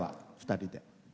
２人で。